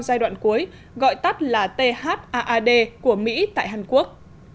giai đoạn cuối gọi tắt là thad của mỹ tại hàn quốc